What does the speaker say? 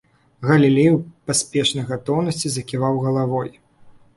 Галілей у паспешнай гатоўнасці заківаў галавой.